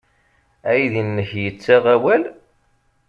Aydi-nnek yettaɣ awal?